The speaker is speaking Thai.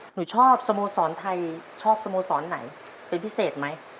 หนูชอบสโมสรไทยชอบสโมสรไหนเป็นพิเศษไหม